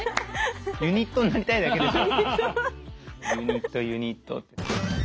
ユニットになりたいだけでしょ。